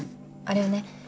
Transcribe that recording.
あれをね